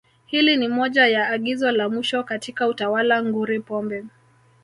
Hili ni moja ya agizo la mwisho katika utawala nguri Pombe